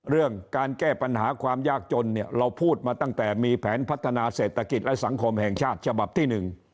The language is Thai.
เรื่องการแก้ปัญหาความยากจนเนี่ยเราพูดมาตั้งแต่มีแผนพัฒนาเศรษฐกิจและสังคมแห่งชาติฉบับที่๑